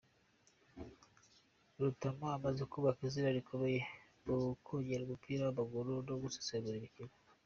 Rutamu amaze kubaka izina rikomeye mu kogera umupira w’ amaguru no gusesengura imikino.